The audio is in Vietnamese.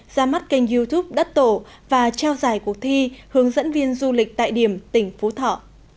ra mắt kênh youtube đắt tổ và trao giải cuộc thi hướng dẫn viên du lịch tại điểm tỉnh phú thọ